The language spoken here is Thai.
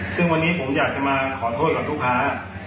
ซึ่งวันนี้ผมอยากจะมาขอโทษกับลูกค้า